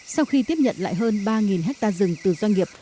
sau khi tiếp nhận lại hơn ba hectare rừng từ doanh nghiệp